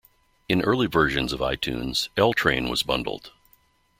In early versions of iTunes, "L Train" was bundled.